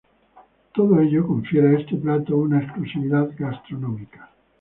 Todo ello confiere a este plato una exclusividad gastronómica.